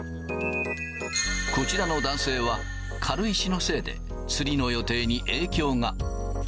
こちらの男性は、軽石のせいで釣りの予定に影響が。